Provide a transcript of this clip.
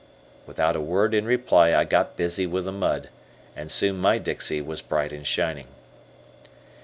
Without a word in reply I got busy with the mud, and soon my dixie was bright and shining.